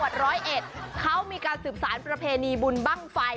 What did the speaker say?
ร้อยเอ็ดเขามีการสืบสารประเพณีบุญบ้างไฟ